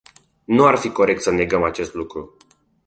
Nu ar fi corect să negăm acest lucru.